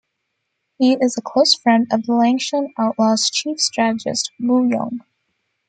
He is a close friend of the Liangshan outlaws' chief strategist, Wu Yong.